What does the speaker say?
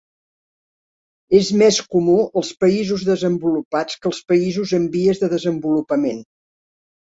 És més comú als països desenvolupats que als països en vies de desenvolupament.